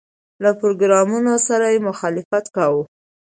له پروګرامونو سره مخالفت کاوه.